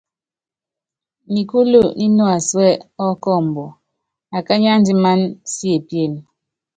Nikúlu nínuásuɛ́ ɔkɔmbɔ, akányi andimánam siepíene.